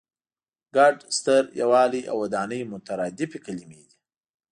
ګډ، ستر، یووالی او ودانۍ مترادفې کلمې دي.